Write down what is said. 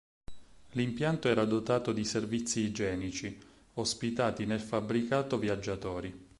L'impianto era dotato di servizi igienici, ospitati nel fabbricato viaggiatori.